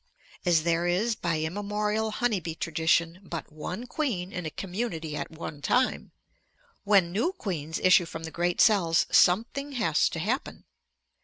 As there is by immemorial honey bee tradition but one queen in a community at one time, when new queens issue from the great cells, something has to happen.